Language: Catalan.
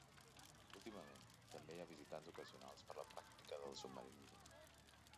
Últimament també hi ha visitants ocasionals per la pràctica del submarinisme.